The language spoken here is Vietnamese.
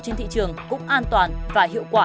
trên thị trường cũng an toàn và hiệu quả